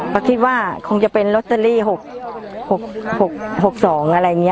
ก็คิดว่าคงจะเป็นลอตเตอรี่๖๖๒อะไรอย่างนี้